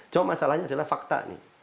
cuma masalahnya adalah fakta